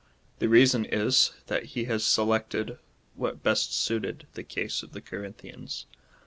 The reason is, that he has selected what best suited the case of the Corinthians.